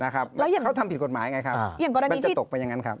แล้วเขาทำผิดกฎหมายไงครับมันจะตกไปอย่างนั้นครับ